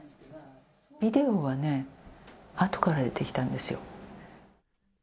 ビデオはね、あとから出てきたんですよ。